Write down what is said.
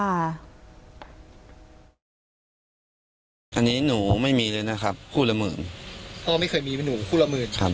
อันนี้หนูไม่มีเลยนะครับคู่ละหมื่นพ่อไม่เคยมีหนูคู่ละหมื่นครับ